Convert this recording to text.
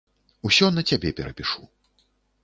Усё на цябе перапішу.